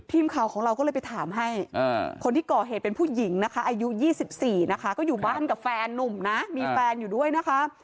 ทีมข่าวของเราก็เลยไปถามให้คนที่ก่อเหตุเป็นผู้หญิงนะคะอายุ๒๔นะคะก็อยู่บ้านกับแฟนนุ่มนะมีแฟนอยู่ด้วยนะคะ